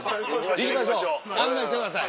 行きましょう案内してください。